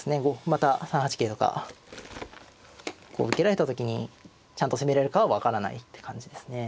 また３八桂とかこう受けられた時にちゃんと攻めれるかは分からないって感じですね。